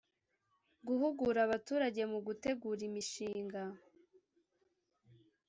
guhugura abaturage mu gutegura imishinga